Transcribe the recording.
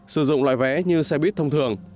sử dụng loại vé như xe buýt thông thường